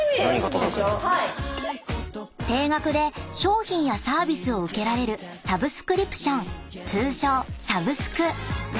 ⁉［定額で商品やサービスを受けられるサブスクリプション］［通称サブスク］